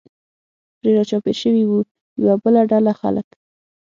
پرې را چاپېر شوي و، یوه بله ډله خلک.